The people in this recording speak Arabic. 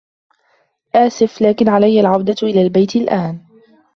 آسف ، لكن علي العودة إلى البيت الآن.